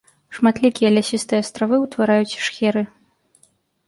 Шматлікія лясістыя астравы ўтвараюць шхеры.